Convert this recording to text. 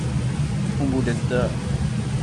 Hon borde dö.